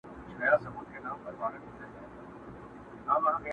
څوك به نيسي د ديدن د ګودر لاري٫